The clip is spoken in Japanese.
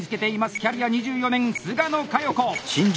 キャリア２４年菅野佳代子！